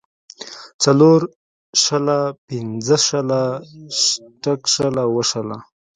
څلور شله پنځۀ شله شټږ شله اووه شله